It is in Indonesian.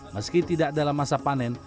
meski tidak dalam masa panen